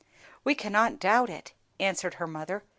"We cannot doubt it," answered her mother.